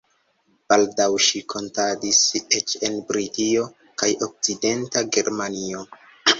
Baldaŭ ŝi kantadis eĉ en Britio kaj Okcidenta Germanio.